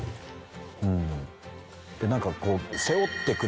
で何かこう。